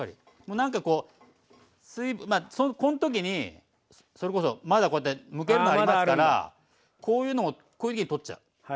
なんかこうこの時にそれこそまだこうやってむけるのありますからこういうのを取っちゃう。